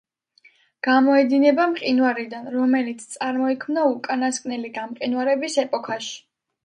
გამოედინება მყინვარიდან, რომელიც წარმოიქმნა უკანასკნელი გამყინვარების ეპოქაში.